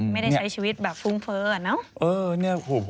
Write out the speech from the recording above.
ไม่ได้ใช้ชีวิตแบบฟุ้งเฟ้อเนอะ